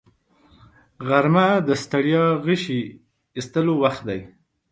غرمه د ستړیا غشي ایستلو وخت دی